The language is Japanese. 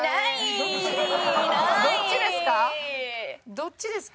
どっちですか？